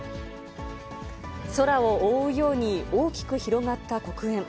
空を覆うように大きく広がった黒煙。